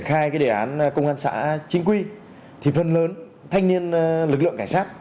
khai cái đề án công an xã chính quy thì phần lớn thanh niên lực lượng cảnh sát